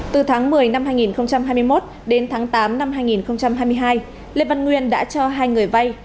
từ tháng một mươi năm hai nghìn hai mươi một đến tháng tám năm hai nghìn hai mươi hai lê văn nguyên đã cho hai người vay